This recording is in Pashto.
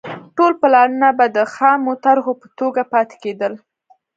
ټول پلانونه به د خامو طرحو په توګه پاتې کېدل